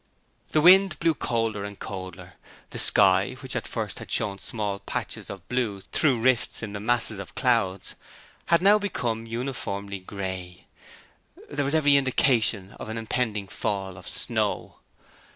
The wind blew colder and colder. The sky, which at first had shown small patches of blue through rifts in the masses of clouds, had now become uniformly grey. There was every indication of an impending fall of snow.